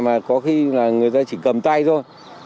mà có khi là người dân chỉ cầm tay thôi